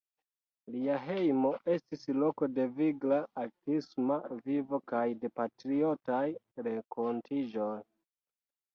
Lia hejmo estis loko de vigla artisma vivo kaj de patriotaj renkontiĝoj.